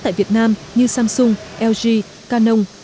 tại việt nam như samsung lg canon